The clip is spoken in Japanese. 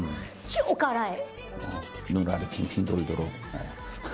超辛い。